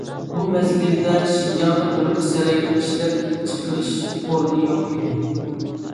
بۇ مەزگىلدە شىنجاڭدا بىرمۇ سەرەڭگە ئىشلەپچىقىرىش ئورنى يوق ئىدى.